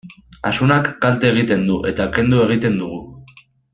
Asunak kalte egiten du, eta kendu egiten dugu.